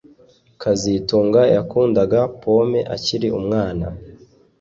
kazitunga yakundaga pome akiri umwana